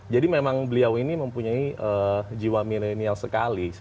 jadi memang beliau ini mempunyai jiwa milenial sekali